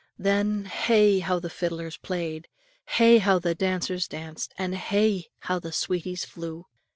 Then, hey! how the fiddlers played! Hey! how the dancers danced! and hey! how the sweeties flew!